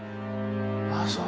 あっそう。